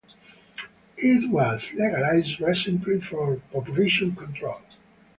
It was legalized recently for population control.